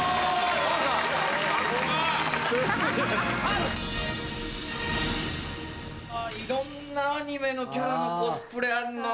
いろんなアニメのキャラのコスプレあるな。